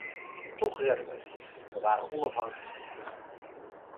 Toch redden wij het: wij waren onafhankelijk.